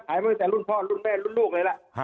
มาตั้งแต่รุ่นพ่อรุ่นแม่รุ่นลูกเลยล่ะ